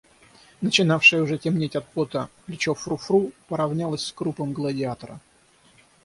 Начинавшее уже темнеть от пота плечо Фру-Фру поравнялось с крупом Гладиатора.